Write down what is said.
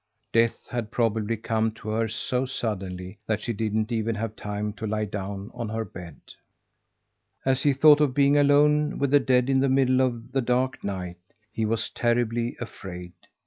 Death had probably come to her so suddenly that she didn't even have time to lie down on her bed. As he thought of being alone with the dead in the middle of the dark night, he was terribly afraid.